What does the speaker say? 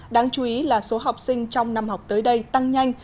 đáng chú ý là số học sinh trong năm học tới đây tăng nhanh